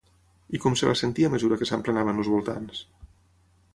I com es va sentir a mesura que s'emplenaven els voltants?